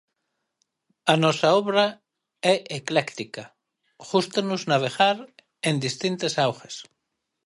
A nosa obra é ecléctica, gústanos navegar en distintas augas.